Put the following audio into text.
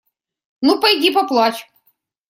Ну пойди, поплачь!